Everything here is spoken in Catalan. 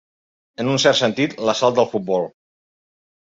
En un cert sentit, la sal del futbol.